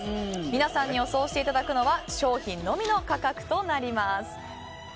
皆さんに予想していただくのは商品のみの価格となります。